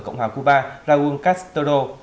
cộng hòa cuba raúl castro